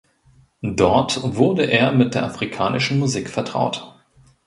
Dort wurde er mit der afrikanischen Musik vertraut.